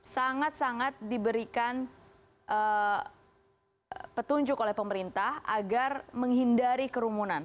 sangat sangat diberikan petunjuk oleh pemerintah agar menghindari kerumunan